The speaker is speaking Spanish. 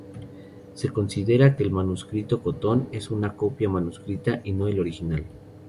Se considera que el manuscrito Cotton es una copia manuscrita y no el original.